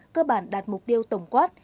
cơ bản đạt mục tiêu tổng quát